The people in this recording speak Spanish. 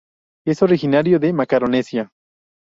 Es originario de Macaronesia.